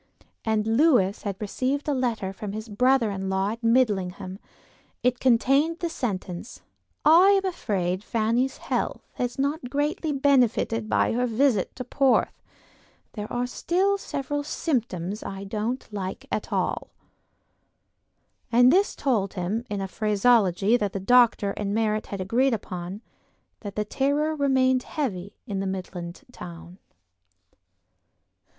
And Lewis had received a letter from his brother in law at Midlingham; it contained the sentence, "I am afraid Fanny's health has not greatly benefited by her visit to Porth; there are still several symptoms I don't at all like." And this told him, in a phraseology that the doctor and Merritt had agreed upon, that the terror remained heavy in the Midland town.